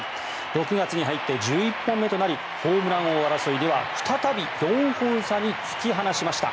６月に入って１１本目となりホームラン王争いでは再び４本差に突き放しました。